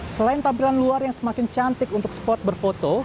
selain tampilan luar yang semakin cantik untuk spot berfoto